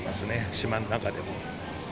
島の中でも。